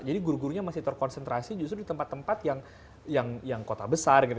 jadi guru gurunya masih terkonsentrasi justru di tempat tempat yang kota besar gitu